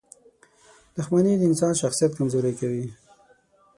• دښمني د انسان شخصیت کمزوری کوي.